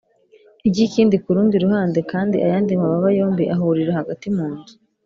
iry’ikindi ku rundi ruhande, kandi ayandi mababa yombi ahurira hagati mu nzu